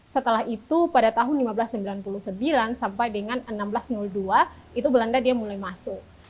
setelah itu pada tahun seribu lima ratus sembilan puluh sembilan sampai dengan seribu enam ratus dua itu belanda dia mulai masuk